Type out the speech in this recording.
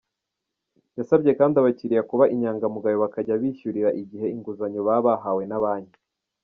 Yasabye kandi abakiriya kuba inyangamugayo bakajya bishyurira igihe inguzanyo baba bahawe na banki.